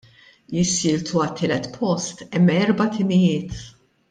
Jissieltu għat-tielet post hemm erba' timijiet.